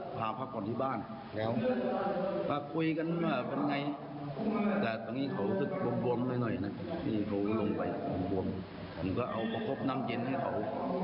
ซาดีเค้าลงไปนี้เดินพลอดทุกข้าว๕เย็นให้เขา